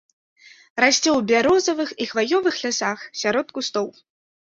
Расце ў бярозавых і хваёвых лясах, сярод кустоў.